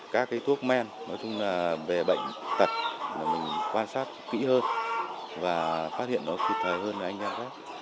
các cái thuốc men nói chung là về bệnh tật là mình quan sát kỹ hơn và phát hiện nó kịp thời hơn là anh ra khác